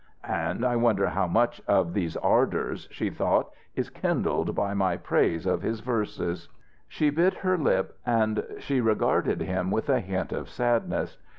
"And I wonder how much of these ardours," she thought, "is kindled by my praise of his verses?" She bit her lip, and she regarded him with a hint of sadness.